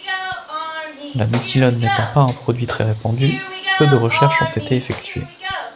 La butylone n'étant pas un produit très répandu, peu de recherches ont été effectuées.